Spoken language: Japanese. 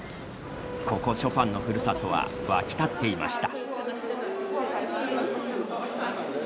ここショパンのふるさとは沸き立っていました。